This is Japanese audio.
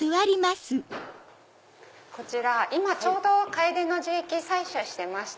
こちら今ちょうどカエデの樹液採取してまして。